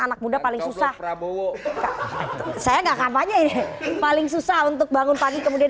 anak muda paling susah prabowo saya enggak kampanye ini paling susah untuk bangun pagi kemudian